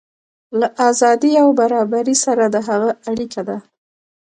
له ازادۍ او برابرۍ سره د هغه اړیکه ده.